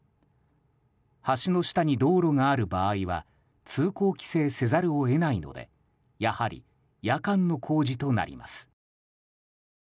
橋の下に道路がある場合は通行規制せざるを得ないのでやはり、夜間の工事となります。